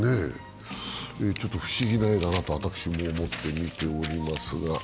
ちょっと不思議な画だなと私も思って見ておりますが。